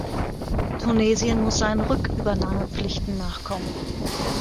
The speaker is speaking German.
Tunesien muss seinen Rückübernahmepflichten nachkommen.